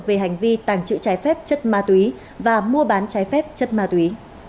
về hành vi tàng trữ trái phép chất ma túy và mua bán trái phép chất ma túy